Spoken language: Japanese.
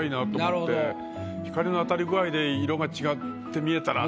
光の当たり具合で色が違って見えたな。